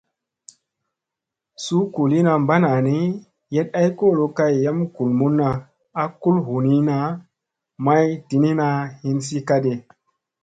Suu kuliina banani yeɗ ay kolo kay yam gulmunna a kul hunina may diniina hinsi kadi.